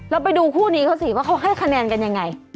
ไปดูคู่นี้เขาสิว่าเขาให้คะแนนกันยังไง